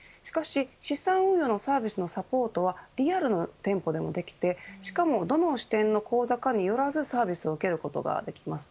資産運用のサービスのサポートはリアルの店舗でもできてしかもどの支店の口座間によらずサービスを受けることができます。